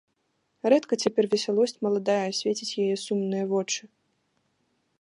Рэдка цяпер весялосць маладая асвеціць яе сумныя вочы.